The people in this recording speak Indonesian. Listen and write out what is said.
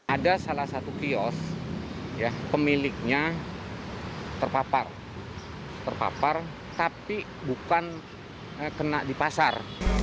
ada salah satu kios pemiliknya terpapar tapi bukan kena di pasar